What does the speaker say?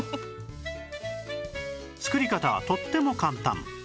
作り方はとっても簡単